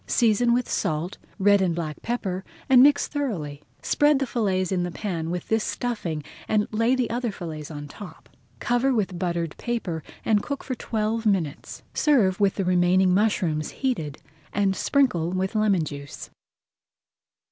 Season with salt, red and black pepper, and mix thoroughly. Spread the fillets in the pan with this stuffing and lay the other fillets on top. Cover with buttered paper and cook for twelve minutes. Serve with the remaining mushrooms heated and sprinkle with lemon juice.